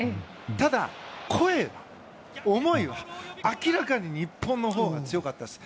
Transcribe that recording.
ただ、声、思いは明らかに日本のほうが強かったです。